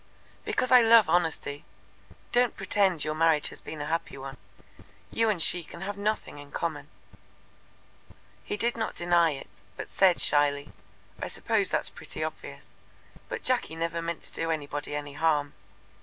"Because I love honesty. Don't pretend your marriage has been a happy one. You and she can have nothing in common." He did not deny it, but said shyly: "I suppose that's pretty obvious; but Jacky never meant to do anybody any harm.